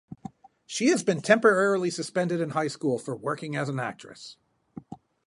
She has been temporarily suspended in high school for working as an actress.